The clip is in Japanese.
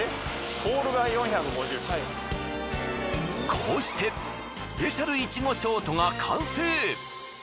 こうしてスペシャル苺ショートが完成。